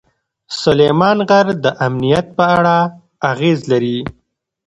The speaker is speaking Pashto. سلیمان غر د امنیت په اړه اغېز لري.